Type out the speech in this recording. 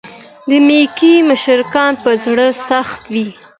د مکې مشرکان په زړه سخت و.